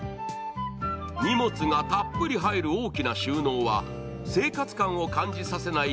荷物がたっぷり入る大きな収納は生活感を感じさせない